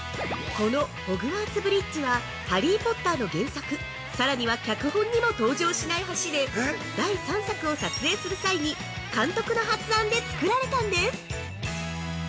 このホグワーツ・ブリッジはハリー・ポッターの原作、さらには脚本にも登場しない橋で第３作を撮影する際に監督の発案でつくられたんです。